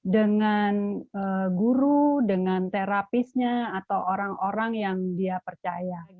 dengan guru dengan terapisnya atau orang orang yang dia percaya